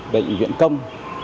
bệnh viện công